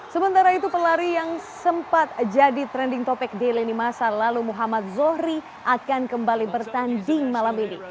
sementara itu pelari yang sempat jadi trending topic di lini masa lalu muhammad zohri akan kembali bertanding malam ini